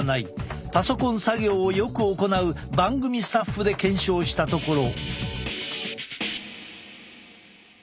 パソコン作業をよく行う番組スタッフで検証したところ。